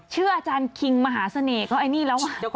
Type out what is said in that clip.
เชื่ออาจารย์คิงมหาเสน่ห์เค้าอันนี้แล้วว่า